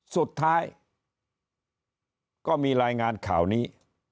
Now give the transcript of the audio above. สุดท้ายก็มีรายงานข่าวนี้